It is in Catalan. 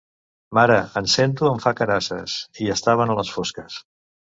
Mare, en Cento em fa carasses. I estaven a les fosques.